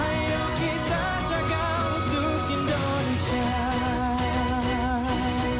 ayo kita jaga untuk indonesia